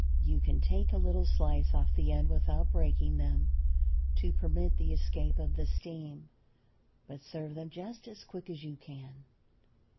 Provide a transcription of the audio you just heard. You can take a little slice off the end without breaking them, to permit the escape of the steam. But serve them just as quick as you can.